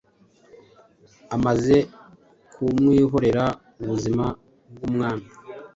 Amaze kumwihorera ubuzima bwumwami